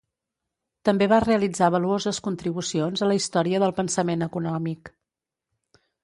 També va realitzar valuoses contribucions a la història del pensament econòmic.